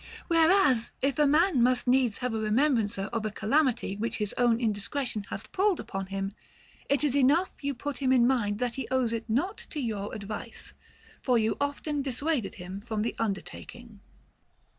Whereas, if a man must needs have a remembrancer of a calamity which his own indiscretion hath pulled upon him, it is enough you put him in mind that he owes it not to your advice, for you often dissuaded him from the undertaking.